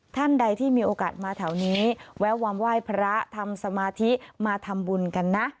ท่านใดที่มีโอกาสมาแถวนี้แวะวามไหว้พระทำสมาธิมาทำบุญกันนะ